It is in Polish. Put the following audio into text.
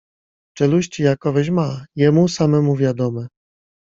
Czeluści jakoweś ma, jemu samemu wiadome.